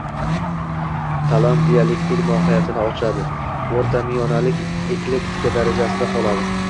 Talant dialektik mohiyatini ochadi; o’rtamiyonalik eklektika darajasida qoladi.